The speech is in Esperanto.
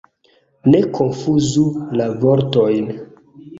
Ne konfuzu la vortojn!